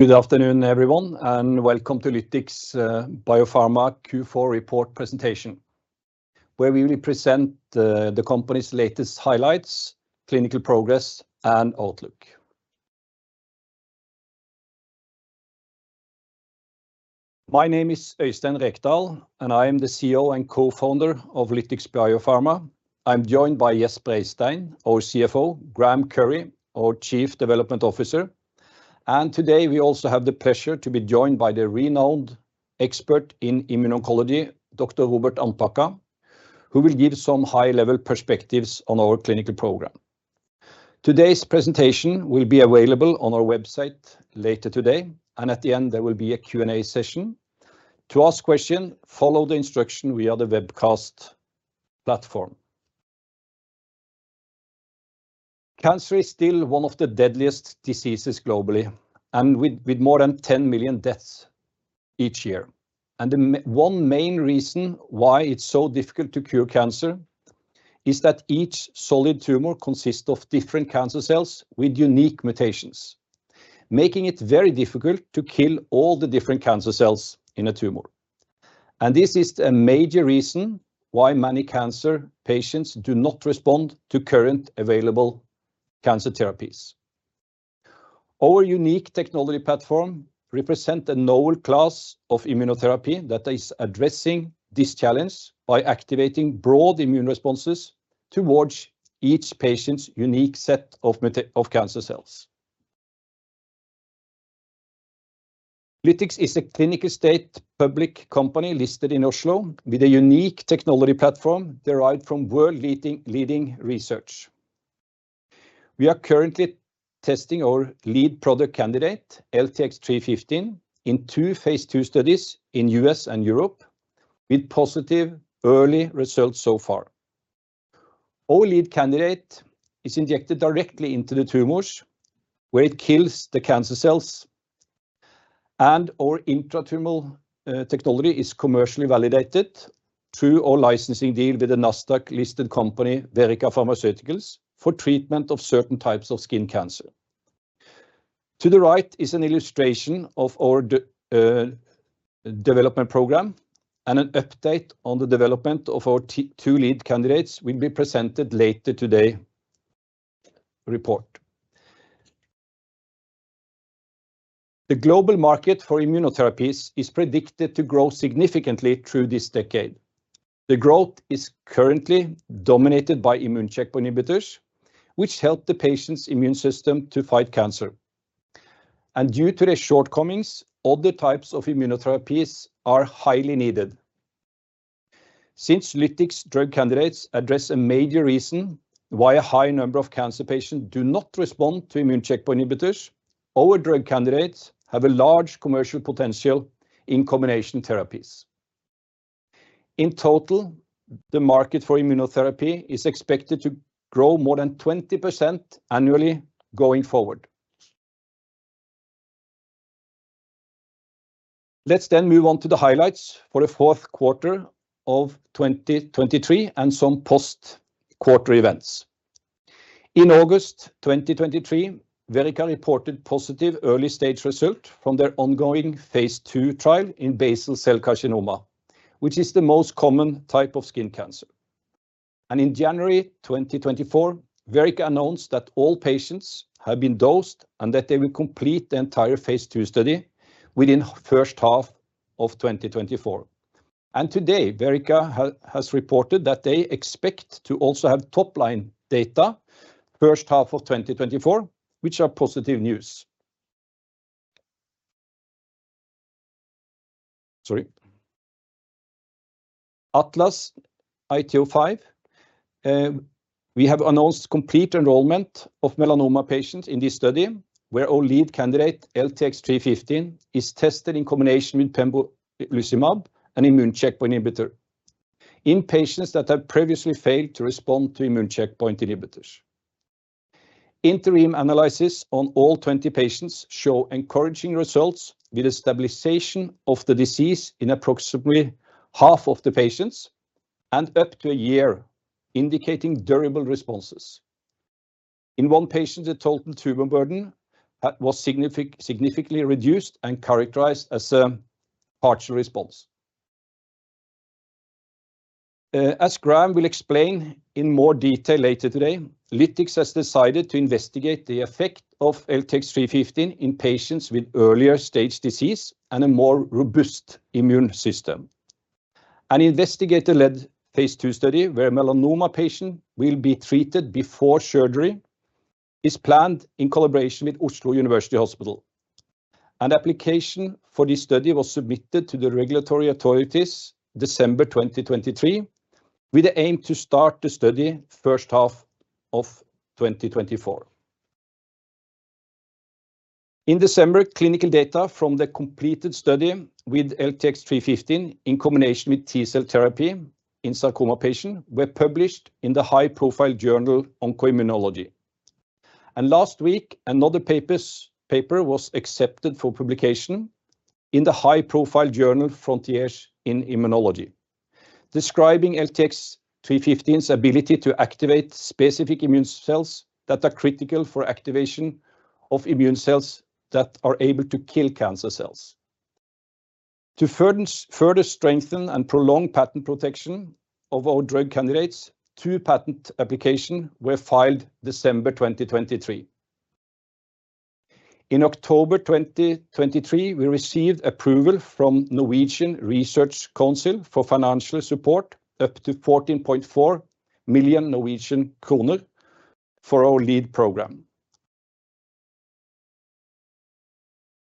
Good afternoon, everyone, and welcome to Lytix Biopharma Q4 report presentation, where we will present the company's latest highlights, clinical progress, and outlook. My name is Øystein Rekdal, and I am the CEO and co-founder of Lytix Biopharma. I'm joined by Gjest Breistein, our CFO, Graeme Currie, our Chief Development Officer. Today we also have the pleasure to be joined by the renowned expert in immuno-oncology, Dr. Robert Andtbacka, who will give some high-level perspectives on our clinical program. Today's presentation will be available on our website later today, and at the end there will be a Q&A session. To ask questions, follow the instructions via the webcast platform. Cancer is still one of the deadliest diseases globally, with more than 10 million deaths each year. One main reason why it's so difficult to cure cancer is that each solid tumor consists of different cancer cells with unique mutations, making it very difficult to kill all the different cancer cells in a tumor. This is a major reason why many cancer patients do not respond to current available cancer therapies. Our unique technology platform represents a novel class of immunotherapy that is addressing this challenge by activating broad immune responses towards each patient's unique set of cancer cells. Lytix is a clinical stage public company listed in Oslo with a unique technology platform derived from world-leading research. We are currently testing our lead product candidate, LTX-315, in two phase II studies in the U.S. and Europe, with positive early results so far. Our lead candidate is injected directly into the tumors, where it kills the cancer cells, and our intratumoral technology is commercially validated through our licensing deal with the Nasdaq-listed company Verrica Pharmaceuticals for treatment of certain types of skin cancer. To the right is an illustration of our development program, and an update on the development of our two lead candidates will be presented later today's report. The global market for immunotherapies is predicted to grow significantly through this decade. The growth is currently dominated by immune checkpoint inhibitors, which help the patient's immune system to fight cancer. Due to their shortcomings, other types of immunotherapies are highly needed. Since Lytix drug candidates address a major reason why a high number of cancer patients do not respond to immune checkpoint inhibitors, our drug candidates have a large commercial potential in combination therapies. In total, the market for immunotherapy is expected to grow more than 20% annually going forward. Let's then move on to the highlights for the fourth quarter of 2023 and some post-quarter events. In August 2023, Verrica reported positive early-stage results from their ongoing phase II trial in basal cell carcinoma, which is the most common type of skin cancer. In January 2024, Verrica announced that all patients have been dosed and that they will complete the entire phase II study within the first half of 2024. Today, Verrica has reported that they expect to also have top-line data in the first half of 2024, which is positive news. Sorry. ATLAS-IT-05, we have announced complete enrollment of melanoma patients in this study, where our lead candidate, LTX-315, is tested in combination with pembrolizumab, an immune checkpoint inhibitor, in patients that have previously failed to respond to immune checkpoint inhibitors. Interim analyses on all 20 patients show encouraging results with a stabilization of the disease in approximately half of the patients and up to a year, indicating durable responses. In one patient, the total tumor burden was significantly reduced and characterized as a partial response. As Graeme will explain in more detail later today, Lytix has decided to investigate the effect of LTX-315 in patients with earlier stage disease and a more robust immune system. An investigator-led phase II study where a melanoma patient will be treated before surgery is planned in collaboration with Oslo University Hospital. An application for this study was submitted to the regulatory authorities in December 2023, with the aim to start the study in the first half of 2024. In December, clinical data from the completed study with LTX-315 in combination with T-cell therapy in a sarcoma patient were published in the high-profile journal Oncoimmunology. And last week, another paper was accepted for publication in the high-profile journal Frontiers in Immunology, describing LTX-315's ability to activate specific immune cells that are critical for activation of immune cells that are able to kill cancer cells. To further strengthen and prolong patent protection of our drug candidates, two patent applications were filed in December 2023. In October 2023, we received approval from the Research Council of Norway for financial support, up to 14.4 million Norwegian kroner, for our lead program.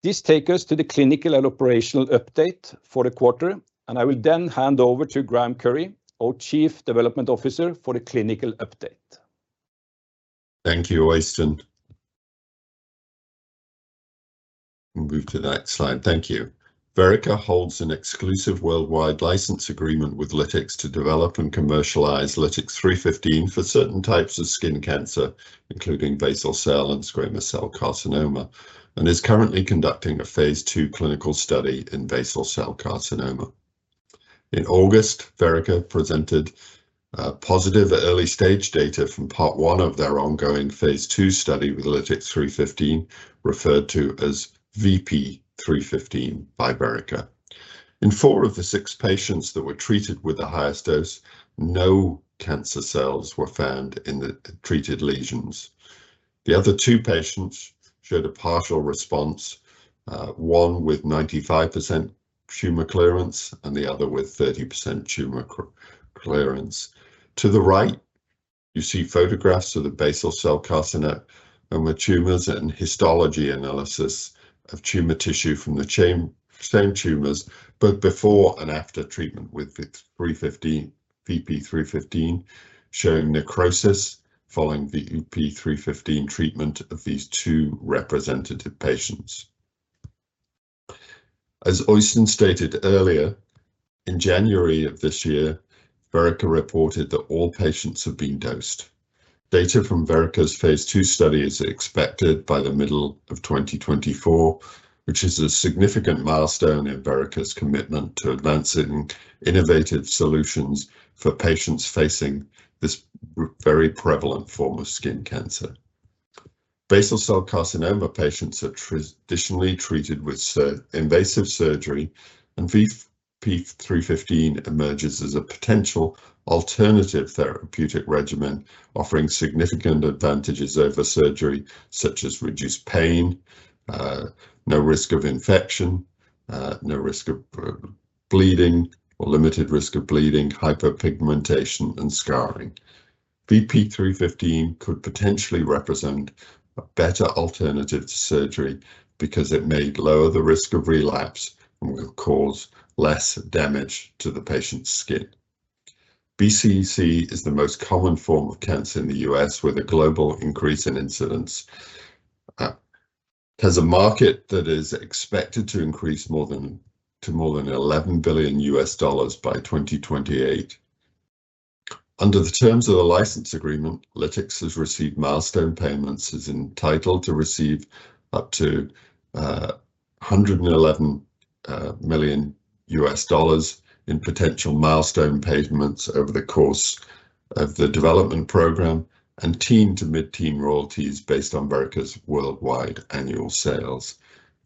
This takes us to the clinical and operational update for the quarter, and I will then hand over to Graeme Currie, our Chief Development Officer for the clinical update. Thank you, Øystein. Move to the next slide. Thank you. Verrica holds an exclusive worldwide license agreement with Lytix to develop and commercialize LTX-315 for certain types of skin cancer, including basal cell and squamous cell carcinoma, and is currently conducting a phase II clinical study in basal cell carcinoma. In August, Verrica presented positive early-stage data from part one of their ongoing phase II study with LTX-315, referred to as VP-315 by Verrica. In four of the six patients that were treated with the highest dose, no cancer cells were found in the treated lesions. The other two patients showed a partial response, one with 95% tumor clearance and the other with 30% tumor clearance. To the right, you see photographs of the basal cell carcinoma tumors and histology analysis of tumor tissue from the same tumors, both before and after treatment with VP-315, showing necrosis following the VP-315 treatment of these two representative patients. As Øystein stated earlier, in January of this year, Verrica reported that all patients have been dosed. Data from Verrica's phase II study is expected by the middle of 2024, which is a significant milestone in Verrica's commitment to advancing innovative solutions for patients facing this very prevalent form of skin cancer. Basal cell carcinoma patients are traditionally treated with invasive surgery, and VP-315 emerges as a potential alternative therapeutic regimen offering significant advantages over surgery, such as reduced pain, no risk of infection, no risk of bleeding or limited risk of bleeding, hyperpigmentation, and scarring. VP-315 could potentially represent a better alternative to surgery because it may lower the risk of relapse and will cause less damage to the patient's skin. BCC is the most common form of cancer in the U.S., with a global increase in incidence. It has a market that is expected to increase to more than $11 billion by 2028. Under the terms of the license agreement, Lytix has received milestone payments, is entitled to receive up to $111 million in potential milestone payments over the course of the development program, and ten-to-mid-teens royalties based on Verrica's worldwide annual sales.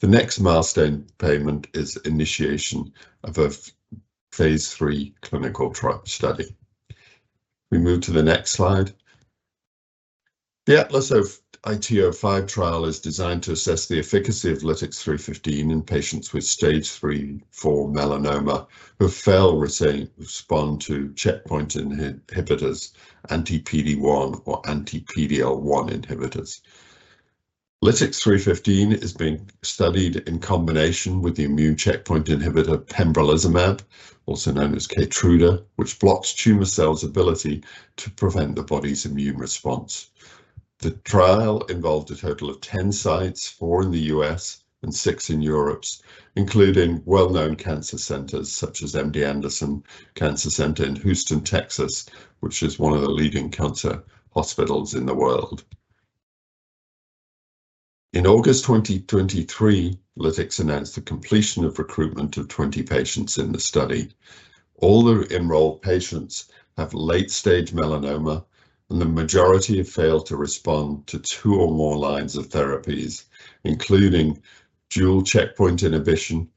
The next milestone payment is the initiation of a phase III clinical trial study. We move to the next slide. The ATLAS-IT-05 trial is designed to assess the efficacy of LTX-315 in patients with Stage III/IV melanoma who failed to respond to checkpoint inhibitors, anti-PD-1 or anti-PD-L1 inhibitors. LTX-315 is being studied in combination with the immune checkpoint inhibitor pembrolizumab, also known as Keytruda, which blocks tumor cells' ability to prevent the body's immune response. The trial involved a total of 10 sites, four in the U.S., and six in Europe, including well-known cancer centers such as MD Anderson Cancer Center in Houston, Texas, which is one of the leading cancer hospitals in the world. In August 2023, Lytix announced the completion of recruitment of 20 patients in the study. All the enrolled patients have late-stage melanoma, and the majority have failed to respond to two or more lines of therapies, including dual checkpoint inhibition,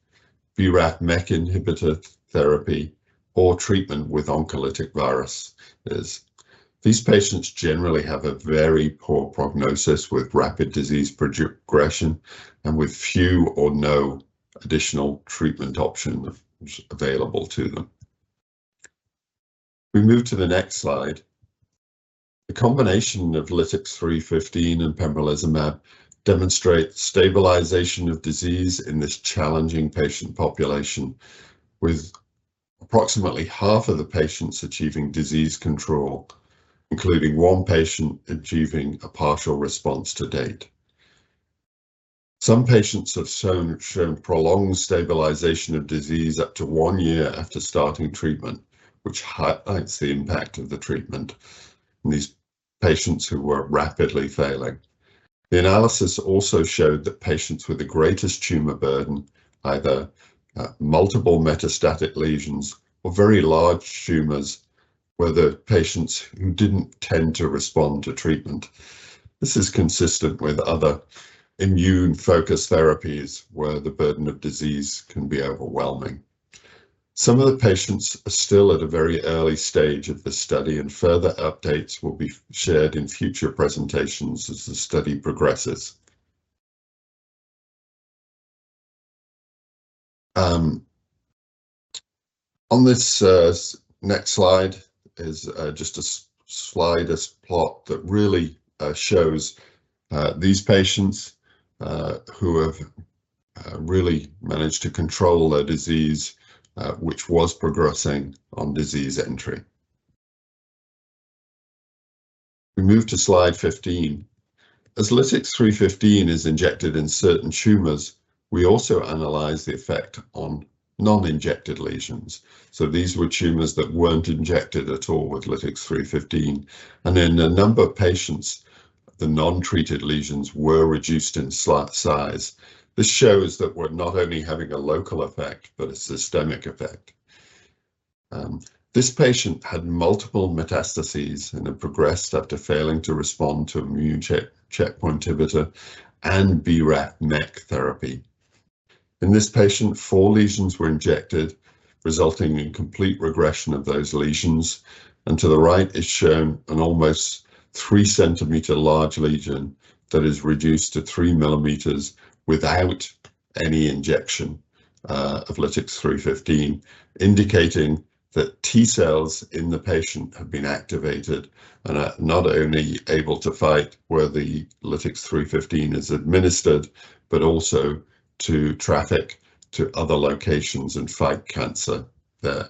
BRAF-MEK inhibitor therapy, or treatment with oncolytic viruses. These patients generally have a very poor prognosis with rapid disease progression and with few or no additional treatment options available to them. We move to the next slide. The combination of LTX-315 and pembrolizumab demonstrates stabilization of disease in this challenging patient population, with approximately half of the patients achieving disease control, including one patient achieving a partial response to date. Some patients have shown prolonged stabilization of disease up to one year after starting treatment, which highlights the impact of the treatment in these patients who were rapidly failing. The analysis also showed that patients with the greatest tumor burden, either multiple metastatic lesions or very large tumors, were the patients who didn't tend to respond to treatment. This is consistent with other immune-focused therapies, where the burden of disease can be overwhelming. Some of the patients are still at a very early stage of the study, and further updates will be shared in future presentations as the study progresses. On this next slide is just a slide as a plot that really shows these patients who have really managed to control their disease, which was progressing on disease entry. We move to slide 15. As LTX-315 is injected in certain tumors, we also analyze the effect on non-injected lesions. So these were tumors that weren't injected at all with LTX-315, and in a number of patients, the non-treated lesions were reduced in size. This shows that we're not only having a local effect but a systemic effect. This patient had multiple metastases and had progressed after failing to respond to immune checkpoint inhibitor and BRAF-MEK therapy. In this patient, four lesions were injected, resulting in complete regression of those lesions. To the right is shown an almost 3 cm large lesion that is reduced to 3 mm without any injection of LTX-315, indicating that T-cells in the patient have been activated and are not only able to fight where the LTX-315 is administered but also to traffic to other locations and fight cancer there.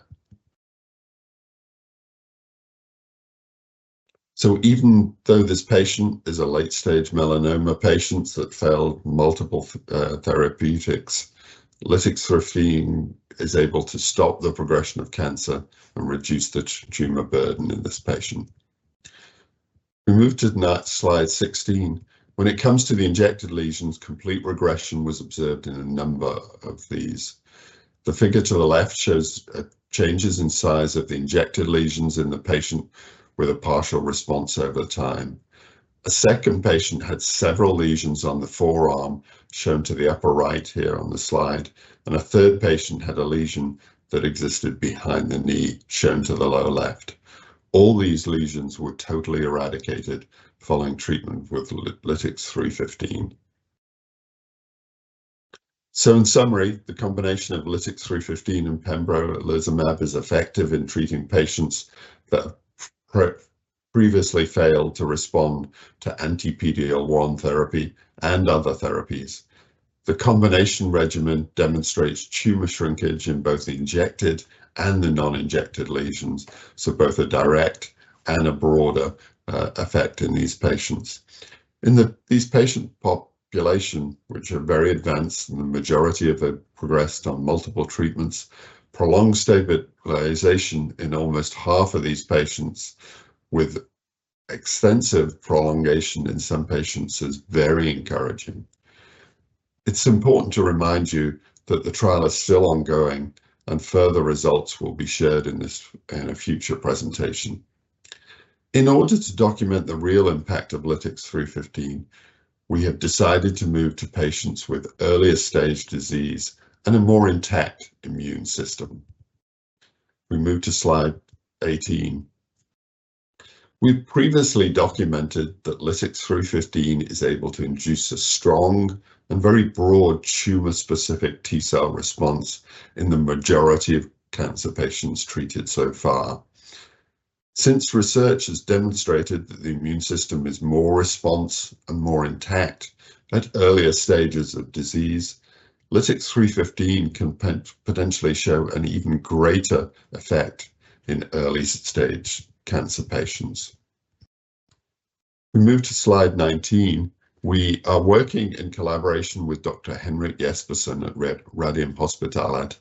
So even though this patient is a late-stage melanoma patient that failed multiple therapeutics, LTX-315 is able to stop the progression of cancer and reduce the tumor burden in this patient. We move to slide 16. When it comes to the injected lesions, complete regression was observed in a number of these. The figure to the left shows changes in size of the injected lesions in the patient with a partial response over time. A second patient had several lesions on the forearm, shown to the upper right here on the slide, and a third patient had a lesion that existed behind the knee, shown to the lower left. All these lesions were totally eradicated following treatment with LTX-315. So in summary, the combination of LTX-315 and Pembrolizumab is effective in treating patients that previously failed to respond to anti-PD-L1 therapy and other therapies. The combination regimen demonstrates tumor shrinkage in both the injected and the non-injected lesions, so both a direct and a broader effect in these patients. In these patient populations, which are very advanced and the majority have progressed on multiple treatments, prolonged stabilization in almost half of these patients, with extensive prolongation in some patients, is very encouraging. It's important to remind you that the trial is still ongoing, and further results will be shared in a future presentation. In order to document the real impact of LTX-315, we have decided to move to patients with earlier stage disease and a more intact immune system. We move to slide 18. We've previously documented that LTX-315 is able to induce a strong and very broad tumor-specific T-cell response in the majority of cancer patients treated so far. Since research has demonstrated that the immune system is more responsive and more intact at earlier stages of disease, LTX-315 can potentially show an even greater effect in early-stage cancer patients. We move to slide 19. We are working in collaboration with Dr. Henrik Jespersen at Radiumhospitalet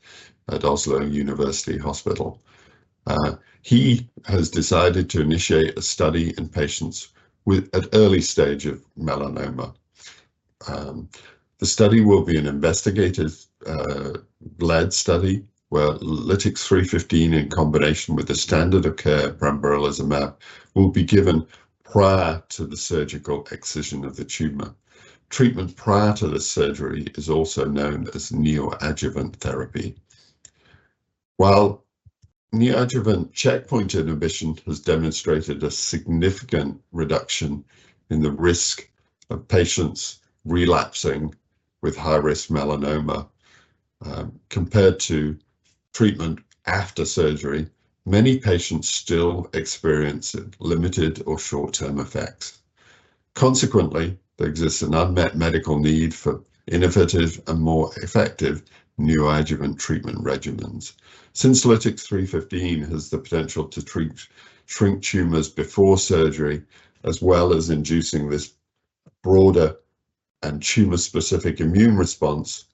at Oslo University Hospital. He has decided to initiate a study in patients at early stage of melanoma. The study will be an investigator-led study where LTX-315, in combination with the standard-of-care pembrolizumab, will be given prior to the surgical excision of the tumor. Treatment prior to the surgery is also known as neoadjuvant therapy. While neoadjuvant checkpoint inhibition has demonstrated a significant reduction in the risk of patients relapsing with high-risk melanoma, compared to treatment after surgery, many patients still experience limited or short-term effects. Consequently, there exists an unmet medical need for innovative and more effective neoadjuvant treatment regimens. Since LTX-315 has the potential to treat shrink tumors before surgery, as well as inducing this broader and tumor-specific immune response,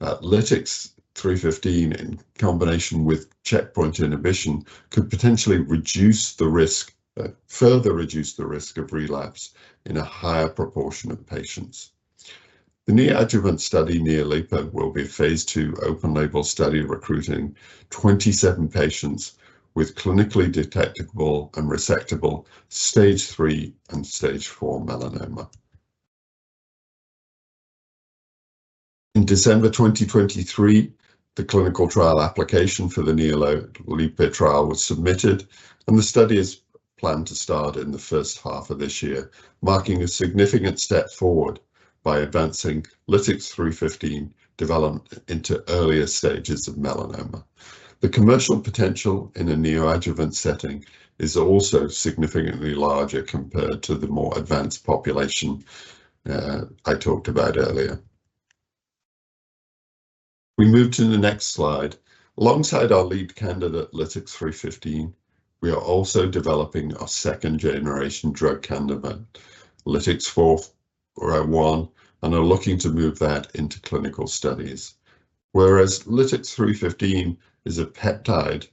LTX-315, in combination with checkpoint inhibition, could potentially further reduce the risk of relapse in a higher proportion of patients. The neoadjuvant study, NeoLIPA, will be a phase II open-label study recruiting 27 patients with clinically detectable and resectable Stage III and Stage IV melanoma. In December 2023, the clinical trial application for the NeoLIPA trial was submitted, and the study is planned to start in the first half of this year, marking a significant step forward by advancing LTX-315 development into earlier stages of melanoma. The commercial potential in a neoadjuvant setting is also significantly larger compared to the more advanced population I talked about earlier. We move to the next slide. Alongside our lead candidate, LTX-315, we are also developing our second-generation drug candidate, LTX-401, and are looking to move that into clinical studies. Whereas LTX-315 is a peptide,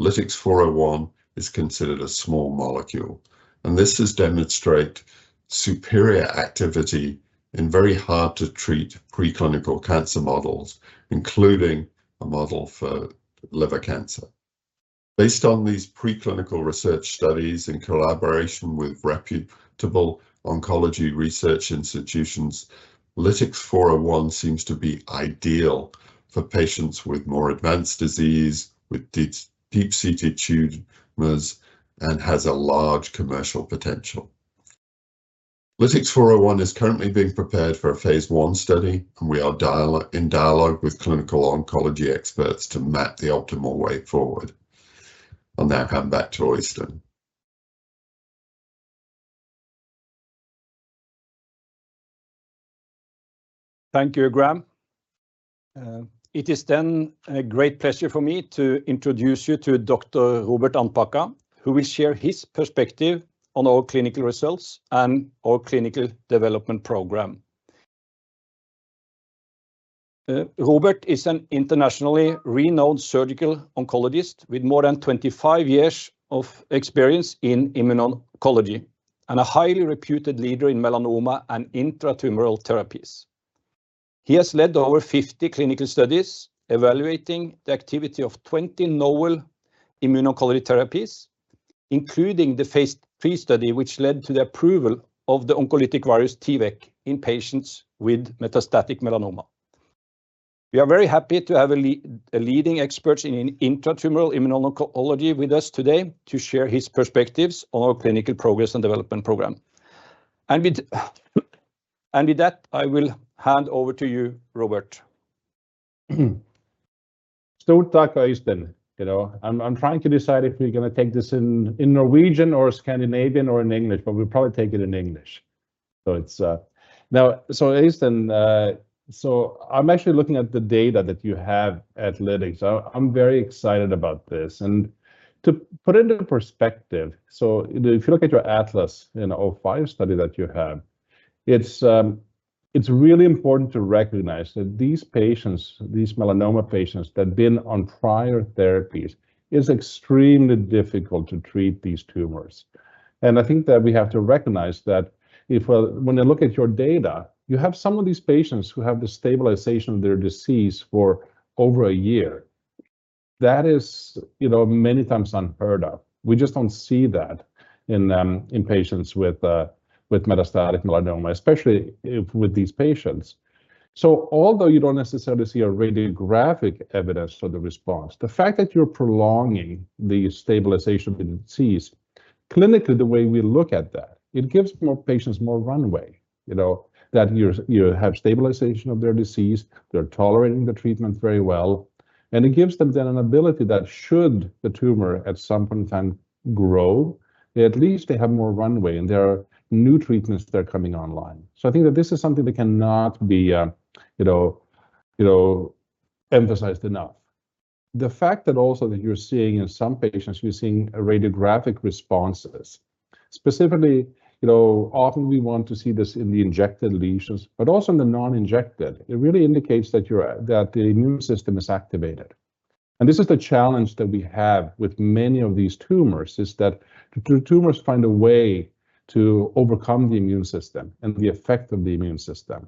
LTX-401 is considered a small molecule, and this has demonstrated superior activity in very hard-to-treat preclinical cancer models, including a model for liver cancer. Based on these preclinical research studies in collaboration with reputable oncology research institutions, LTX-401 seems to be ideal for patients with more advanced disease, with deep-seated tumors, and has a large commercial potential. LTX-401 is currently being prepared for a phase I study, and we are in dialogue with clinical oncology experts to map the optimal way forward. On that, I'll hand back to Øystein. Thank you, Graeme. It is then a great pleasure for me to introduce you to Dr. Robert Andtbacka, who will share his perspective on our clinical results and our clinical development program. Robert is an internationally renowned Surgical Oncologist with more than 25 years of experience in immuno-oncology and a highly reputed leader in melanoma and intratumoral therapies. He has led over 50 clinical studies evaluating the activity of 20 novel immuno-oncology therapies, including the phase III study, which led to the approval of the oncolytic virus T-VEC in patients with metastatic melanoma. We are very happy to have a leading expert in intratumoral immuno-oncology with us today to share his perspectives on our clinical progress and development program. With that, I will hand over to you, Robert. Stort takk, Øystein. I'm trying to decide if we're going to take this in Norwegian or Scandinavian or in English, but we'll probably take it in English. Now, Øystein, I'm actually looking at the data that you have at Lytix, so I'm very excited about this. To put it into perspective, if you look at your ATLAS-IT-05 study that you have, it's really important to recognize that these patients, these melanoma patients that have been on prior therapies, it's extremely difficult to treat these tumors. I think that we have to recognize that when you look at your data, you have some of these patients who have the stabilization of their disease for over a year. That is many times unheard of. We just don't see that in patients with metastatic melanoma, especially with these patients. So although you don't necessarily see a radiographic evidence for the response, the fact that you're prolonging the stabilization of the disease, clinically, the way we look at that, it gives patients more runway, that you have stabilization of their disease, they're tolerating the treatment very well, and it gives them then an ability that should the tumor at some point in time grow, at least they have more runway and there are new treatments that are coming online. So I think that this is something that cannot be emphasized enough. The fact that also that you're seeing in some patients, you're seeing radiographic responses, specifically, often we want to see this in the injected lesions, but also in the non-injected, it really indicates that the immune system is activated. This is the challenge that we have with many of these tumors, is that tumors find a way to overcome the immune system and the effect of the immune system.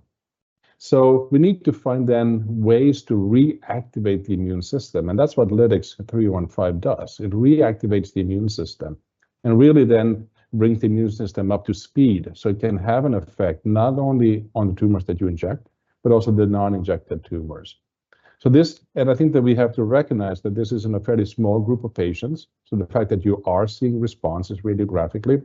So we need to find new ways to reactivate the immune system, and that's what LTX-315 does. It reactivates the immune system and really then brings the immune system up to speed so it can have an effect not only on the tumors that you inject, but also the non-injected tumors. And I think that we have to recognize that this is in a fairly small group of patients, so the fact that you are seeing responses radiographically,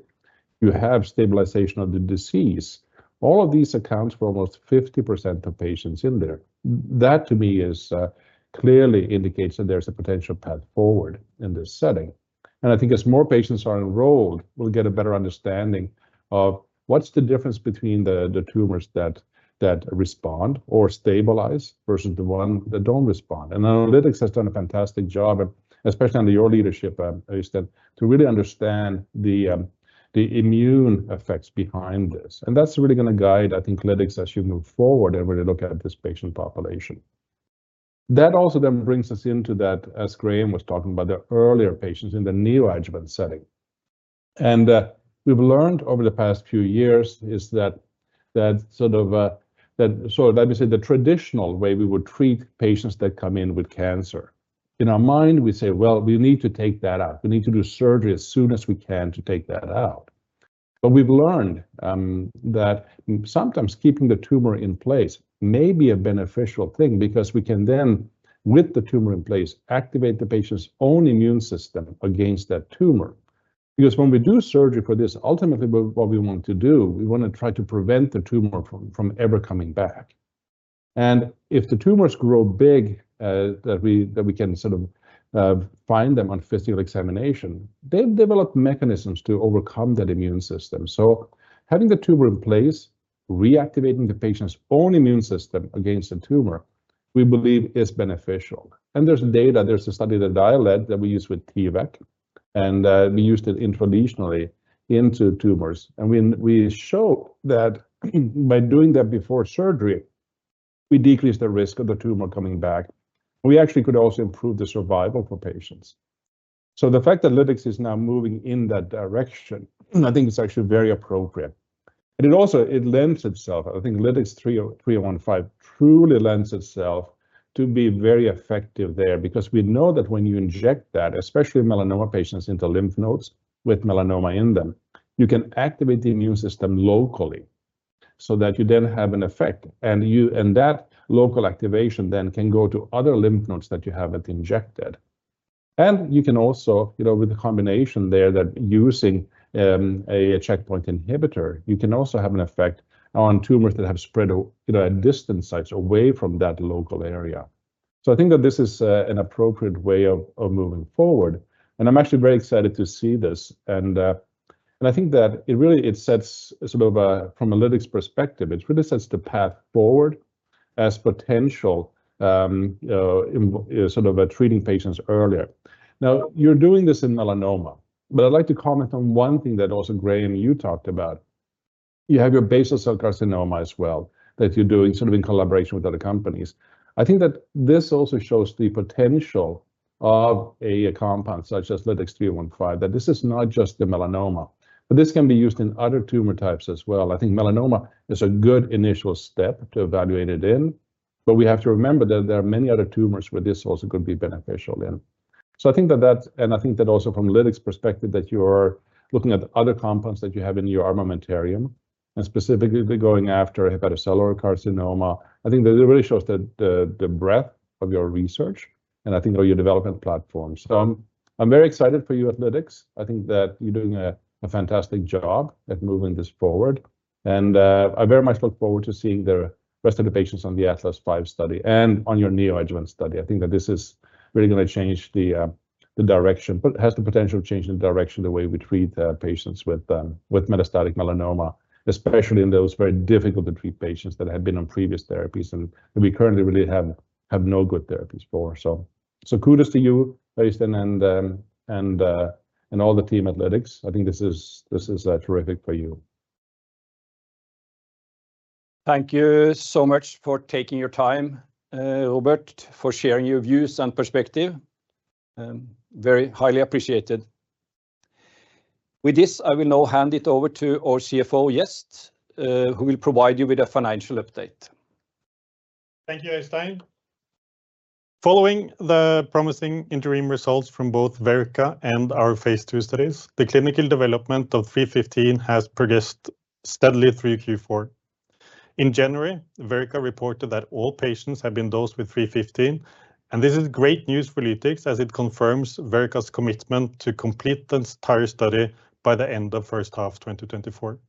you have stabilization of the disease, all of these accounts for almost 50% of patients in there. That, to me, clearly indicates that there's a potential path forward in this setting. And I think as more patients are enrolled, we'll get a better understanding of what's the difference between the tumors that respond or stabilize versus the ones that don't respond. And Lytix has done a fantastic job, especially under your leadership, Øystein, to really understand the immune effects behind this. And that's really going to guide, I think, Lytix as you move forward and when you look at this patient population. That also then brings us into that, as Graeme was talking about, the earlier patients in the neoadjuvant setting. And we've learned over the past few years is that sort of, so let me say, the traditional way we would treat patients that come in with cancer. In our mind, we say, "Well, we need to take that out. We need to do surgery as soon as we can to take that out." But we've learned that sometimes keeping the tumor in place may be a beneficial thing because we can then, with the tumor in place, activate the patient's own immune system against that tumor. Because when we do surgery for this, ultimately, what we want to do, we want to try to prevent the tumor from ever coming back. If the tumors grow big that we can sort of find them on physical examination, they've developed mechanisms to overcome that immune system. Having the tumor in place, reactivating the patient's own immune system against the tumor, we believe is beneficial. There's data, there's a study that I led that we use with T-VEC, and we used it intradermally into tumors. We showed that by doing that before surgery, we decreased the risk of the tumor coming back, and we actually could also improve the survival for patients. So the fact that Lytix is now moving in that direction, I think it's actually very appropriate. And it also lends itself, I think LTX-315 truly lends itself to be very effective there because we know that when you inject that, especially melanoma patients into lymph nodes with melanoma in them, you can activate the immune system locally so that you then have an effect, and that local activation then can go to other lymph nodes that you haven't injected. And you can also, with the combination there that using a checkpoint inhibitor, you can also have an effect on tumors that have spread at distant sites away from that local area. So I think that this is an appropriate way of moving forward, and I'm actually very excited to see this. And I think that it really sets, sort of from a Lytix perspective, it really sets the path forward as potential sort of treating patients earlier. Now, you're doing this in melanoma, but I'd like to comment on one thing that also Graeme and you talked about. You have your basal cell carcinoma as well that you're doing sort of in collaboration with other companies. I think that this also shows the potential of a compound such as LTX-315, that this is not just the melanoma, but this can be used in other tumor types as well. I think melanoma is a good initial step to evaluate it in, but we have to remember that there are many other tumors where this also could be beneficial in. So I think that that, and I think that also from Lytix's perspective, that you are looking at other compounds that you have in your armamentarium, and specifically going after hepatocellular carcinoma, I think that it really shows the breadth of your research and I think your development platform. So I'm very excited for you at Lytix. I think that you're doing a fantastic job at moving this forward, and I very much look forward to seeing the rest of the patients on the ATLAS-IT-05 study and on your neoadjuvant study. I think that this is really going to change the direction, but it has the potential to change the direction the way we treat patients with metastatic melanoma, especially in those very difficult-to-treat patients that have been on previous therapies and that we currently really have no good therapies for. Kudos to you, Øystein, and all the team at Lytix. I think this is terrific for you. Thank you so much for taking your time, Robert, for sharing your views and perspective. Very highly appreciated. With this, I will now hand it over to our CFO, Gjest, who will provide you with a financial update. Thank you, Øystein. Following the promising interim results from both Verrica and our phase II studies, the clinical development of 315 has progressed steadily through Q4. In January, Verrica reported that all patients have been dosed with 315, and this is great news for Lytix as it confirms Verrica's commitment to complete the entire study by the end of first half 2024.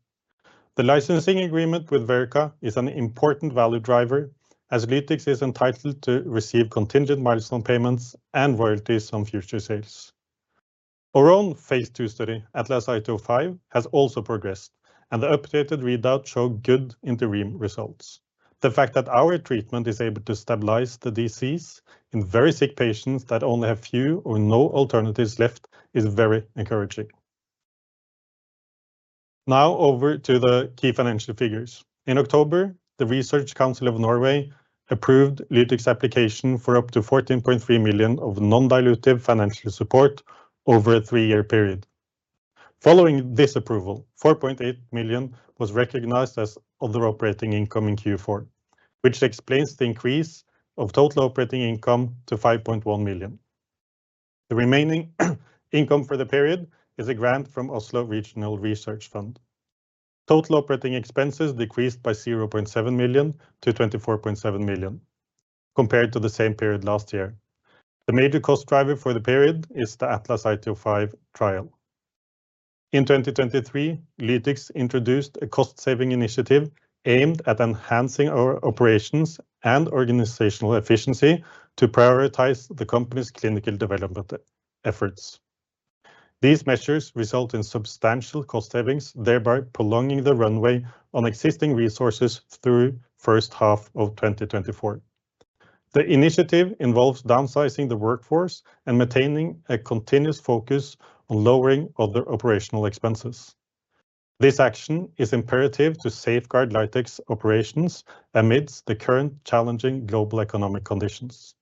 The licensing agreement with Verrica is an important value driver as Lytix is entitled to receive contingent milestone payments and royalties on future sales. Our own phase II study, ATLAS-IT-05, has also progressed, and the updated readout showed good interim results. The fact that our treatment is able to stabilize the disease in very sick patients that only have few or no alternatives left is very encouraging. Now over to the key financial figures. In October, the Research Council of Norway approved Lytix's application for up to 14.3 million of non-dilutive financial support over a three-year period. Following this approval, 4.8 million was recognized as other operating income in Q4, which explains the increase of total operating income to 5.1 million. The remaining income for the period is a grant from Oslo Regional Research Fund. Total operating expenses decreased by 0.7 million to 24.7 million compared to the same period last year. The major cost driver for the period is the ATLAS-IT-05 trial. In 2023, Lytix introduced a cost-saving initiative aimed at enhancing our operations and organizational efficiency to prioritize the company's clinical development efforts. These measures result in substantial cost savings, thereby prolonging the runway on existing resources through first half of 2024. The initiative involves downsizing the workforce and maintaining a continuous focus on lowering other operational expenses. This action is imperative to safeguard Lytix's operations amidst the current challenging global economic conditions.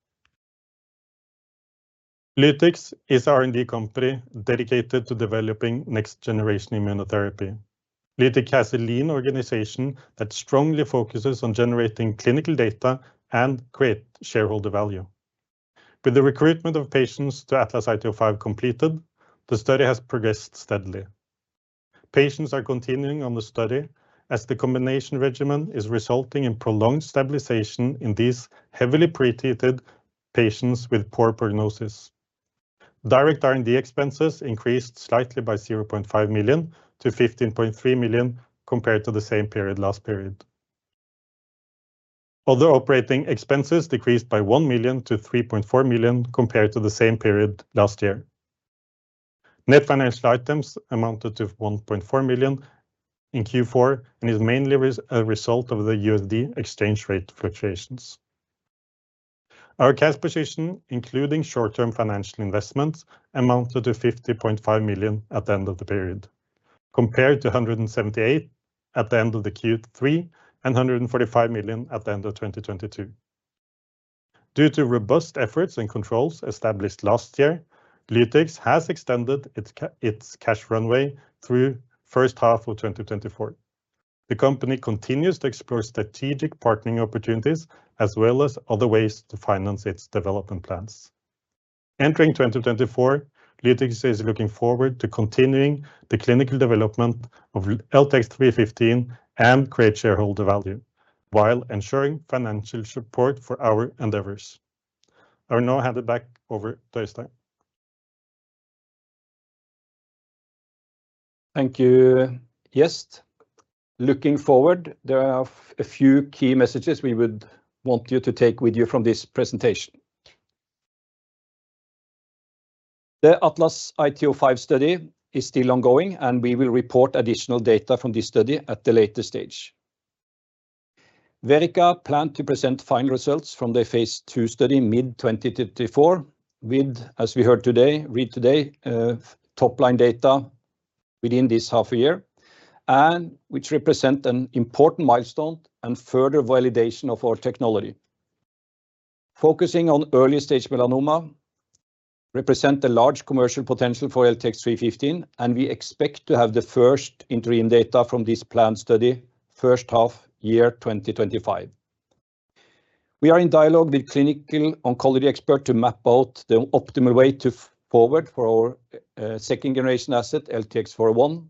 Lytix is an R&D company dedicated to developing next-generation immunotherapy. Lytix has a lean organization that strongly focuses on generating clinical data and creating shareholder value. With the recruitment of patients to ATLAS-IT-05 completed, the study has progressed steadily. Patients are continuing on the study as the combination regimen is resulting in prolonged stabilization in these heavily pre-treated patients with poor prognosis. Direct R&D expenses increased slightly by 0.5 million to 15.3 million compared to the same period last period. Other operating expenses decreased by 1 million to 3.4 million compared to the same period last year. Net financial items amounted to 1.4 million in Q4 and is mainly a result of the USD exchange rate fluctuations. Our cash position, including short-term financial investments, amounted to 50.5 million at the end of the period, compared to 178 million at the end of Q3 and 145 million at the end of 2022. Due to robust efforts and controls established last year, Lytix has extended its cash runway through first half of 2024. The company continues to explore strategic partnering opportunities as well as other ways to finance its development plans. Entering 2024, Lytix is looking forward to continuing the clinical development of LTX-315 and creating shareholder value while ensuring financial support for our endeavors. I will now hand it back over to Øystein. Thank you, Gjest. Looking forward, there are a few key messages we would want you to take with you from this presentation. The ATLAS-IT-05 study is still ongoing, and we will report additional data from this study at the later stage. Verrica planned to present final results from the phase II study mid-2024 with, as we heard today, read today, top-line data within this half a year, which represent an important milestone and further validation of our technology. Focusing on early-stage melanoma, represent a large commercial potential for LTX-315, and we expect to have the first interim data from this planned study, first half year 2025. We are in dialogue with clinical oncology experts to map out the optimal way forward for our second-generation asset, LTX-401,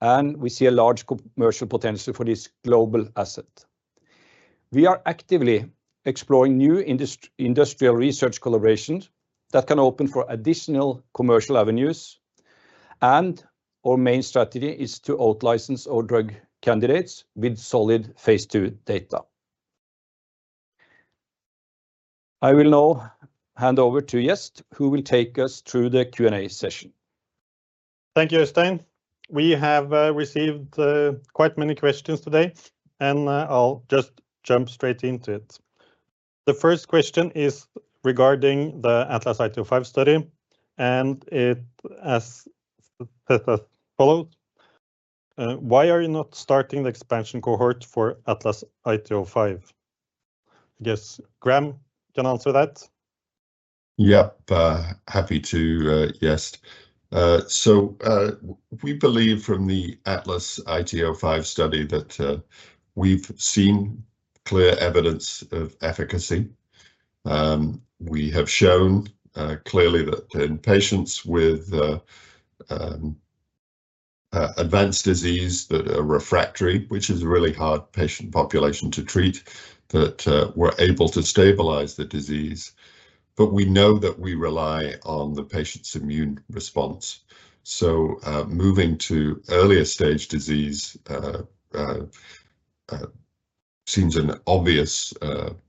and we see a large commercial potential for this global asset. We are actively exploring new industrial research collaborations that can open for additional commercial avenues, and our main strategy is to out-license our drug candidates with solid phase II data. I will now hand over to Gjest, who will take us through the Q&A session. Thank you, Øystein. We have received quite many questions today, and I'll just jump straight into it. The first question is regarding the ATLAS-IT-05 study, and it says as follows: "Why are you not starting the expansion cohort for ATLAS-IT-05?" I guess Graeme can answer that. Yep, happy to. Yes. So we believe from the ATLAS-IT-05 study that we've seen clear evidence of efficacy. We have shown clearly that in patients with advanced disease that are refractory, which is a really hard patient population to treat, that we're able to stabilize the disease. But we know that we rely on the patient's immune response. So moving to earlier-stage disease seems an obvious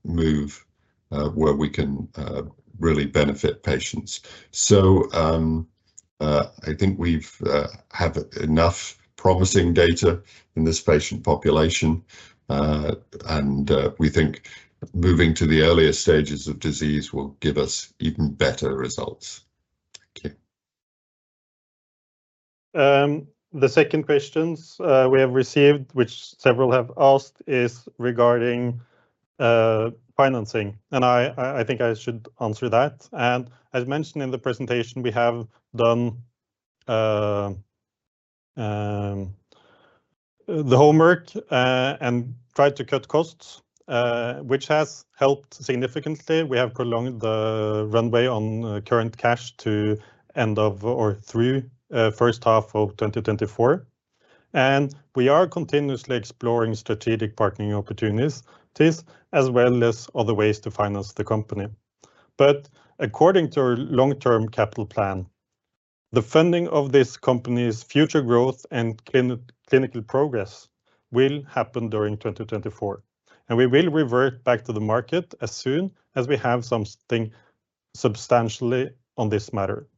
move where we can really benefit patients. So I think we have enough promising data in this patient population, and we think moving to the earlier stages of disease will give us even better results. Thank you. The second questions we have received, which several have asked, is regarding financing, and I think I should answer that. And as mentioned in the presentation, we have done the homework and tried to cut costs, which has helped significantly. We have prolonged the runway on current cash to end of or through first half of 2024, and we are continuously exploring strategic partnering opportunities as well as other ways to finance the company. But according to our long-term capital plan, the funding of this company's future growth and clinical progress will happen during 2024, and we will revert back to the market as soon as we have something substantially on this matter.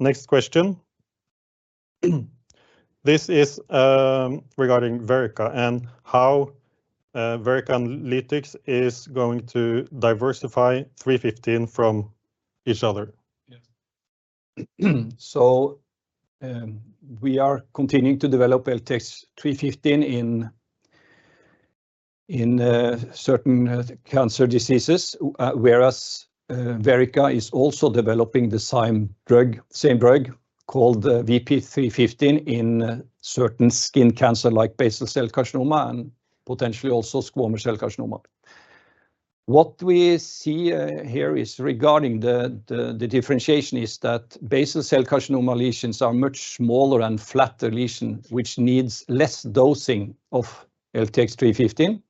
Next question. This is regarding Verrica and how Verrica and Lytix are going to diversify 315 from each other. So we are continuing to develop LTX-315 in certain cancer diseases, whereas Verrica is also developing the same drug called VP-315 in certain skin cancer like basal cell carcinoma and potentially also squamous cell carcinoma. What we see here is regarding the differentiation is that basal cell carcinoma lesions are much smaller and flatter lesions, which need less dosing of LTX-315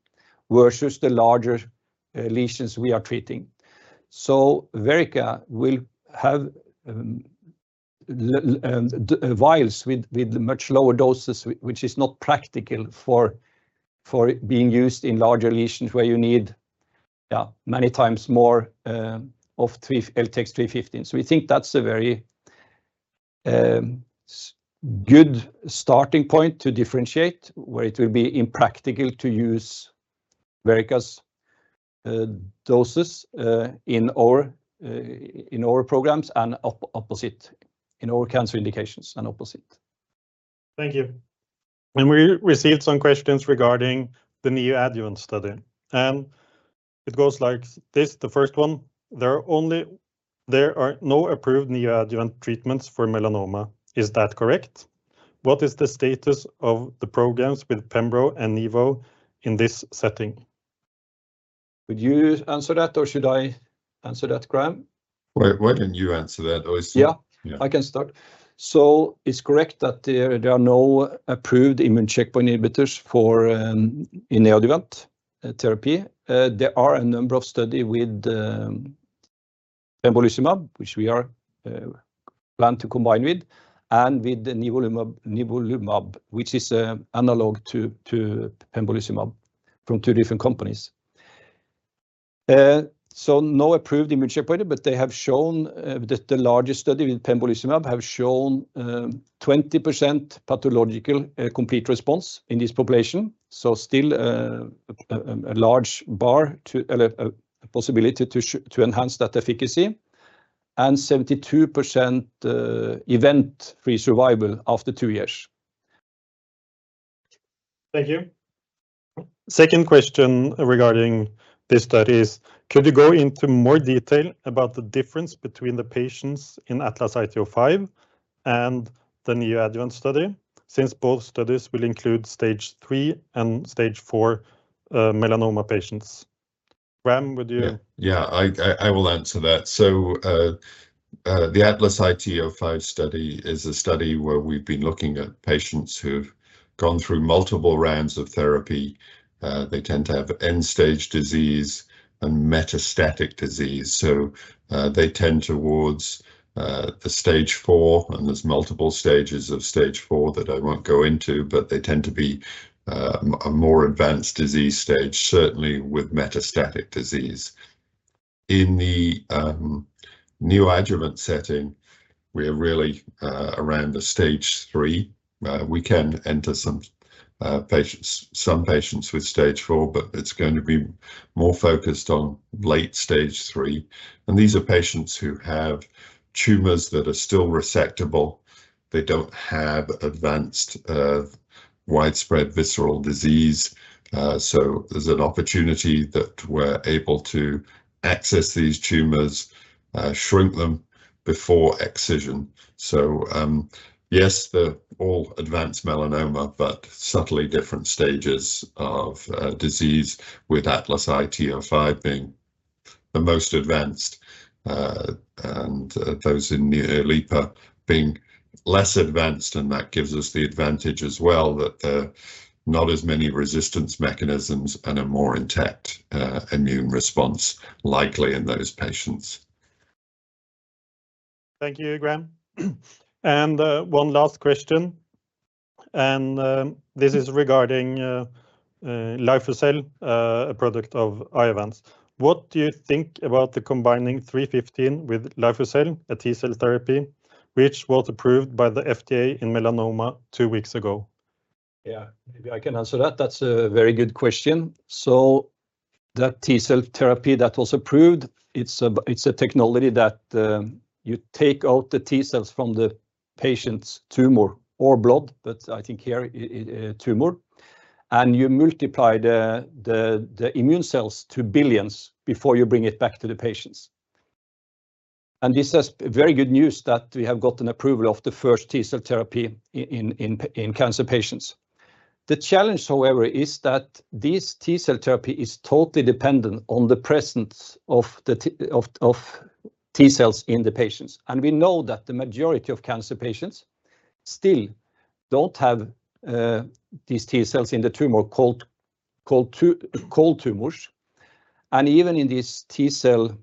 versus the larger lesions we are treating. So Verrica will have vials with much lower doses, which is not practical for being used in larger lesions where you need many times more of LTX-315. So we think that's a very good starting point to differentiate where it will be impractical to use Verrica's doses in our programs and opposite in our cancer indications and opposite. Thank you. And we received some questions regarding the neoadjuvant study. And it goes like this, the first one: "There are no approved neoadjuvant treatments for melanoma. Is that correct? What is the status of the programs with pembro and nivo in this setting?" Would you answer that, or should I answer that, Graeme? Why don't you answer that, Øystein? Yeah, I can start. So it's correct that there are no approved immune checkpoint inhibitors in neoadjuvant therapy. There are a number of studies with pembrolizumab, which we plan to combine with, and with nivolumab, which is analog to pembrolizumab from two different companies. So no approved immune checkpoint, but they have shown that the larger study with pembrolizumab has shown 20% pathological complete response in this population. So still a large bar to possibility to enhance that efficacy and 72% event-free survival after two years. Thank you. Second question regarding this study is: "Could you go into more detail about the difference between the patients in ATLAS-IT-05 and the neoadjuvant study since both studies will include Stage III and Stage IV melanoma patients?" Graeme, would you? Yeah, I will answer that. So the ATLAS-IT-05 study is a study where we've been looking at patients who have gone through multiple rounds of therapy. They tend to have end-stage disease and metastatic disease. So they tend towards the Stage IV, and there's multiple stages of Stage IV that I won't go into, but they tend to be a more advanced disease stage, certainly with metastatic disease. In the neoadjuvant setting, we are really around the Stage III. We can enter some patients with Stage IV, but it's going to be more focused on late Stage III. And these are patients who have tumors that are still resectable. They don't have advanced widespread visceral disease. So there's an opportunity that we're able to access these tumors, shrink them before excision. So yes, they're all advanced melanoma, but subtly different stages of disease with ATLAS-IT-05 being the most advanced and those in NeoLIPA being less advanced, and that gives us the advantage as well that there are not as many resistance mechanisms and a more intact immune response likely in those patients. Thank you, Graeme. One last question, and this is regarding lifileucel, a product of Iovance. What do you think about combining 315 with Lifileucel, a T-cell therapy, which was approved by the FDA in melanoma two weeks ago? Yeah, maybe I can answer that. That's a very good question. So that T-cell therapy that was approved, it's a technology that you take out the T-cells from the patient's tumor or blood, but I think here tumor, and you multiply the immune cells to billions before you bring it back to the patients. And this is very good news that we have gotten approval of the first T-cell therapy in cancer patients. The challenge, however, is that this T-cell therapy is totally dependent on the presence of T-cells in the patients. And we know that the majority of cancer patients still don't have these T-cells in the tumor called tumors. And even in this T-cell,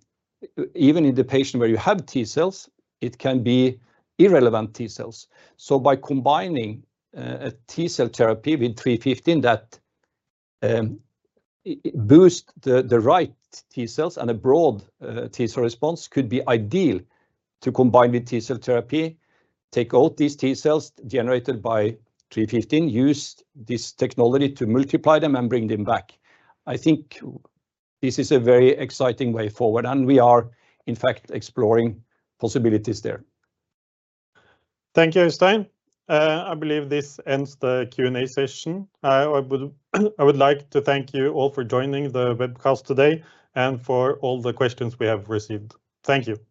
even in the patient where you have T-cells, it can be irrelevant T-cells. So by combining a T-cell therapy with 315 that boosts the right T-cells and a broad T-cell response could be ideal to combine with T-cell therapy, take out these T-cells generated by 315, use this technology to multiply them, and bring them back. I think this is a very exciting way forward, and we are, in fact, exploring possibilities there. Thank you, Øystein. I believe this ends the Q&A session. I would like to thank you all for joining the webcast today and for all the questions we have received. Thank you.